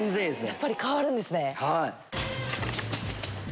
やっぱり変わるんですね。